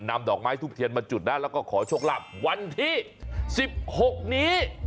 นำดอกไม้ทุบเทียนมาจุดนะแล้วก็ขอโชคลาภวันที่๑๖นี้